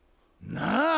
「なあ？」